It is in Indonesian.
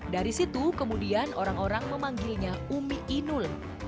dari situ kemudian orang orang memanggilnya umi inul